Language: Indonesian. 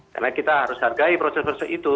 karena kita harus hargai proses proses itu